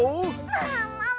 ももも！わ！